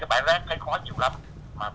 cái bãi rác thấy khói chung lắm